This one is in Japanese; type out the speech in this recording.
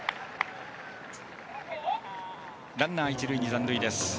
ランナー、一塁に残塁です。